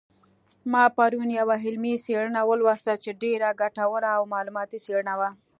ما پرون یوه علمي څېړنه ولوستله چې ډېره ګټوره او معلوماتي څېړنه وه